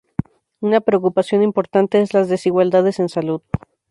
Una preocupación importante es las desigualdades en salud.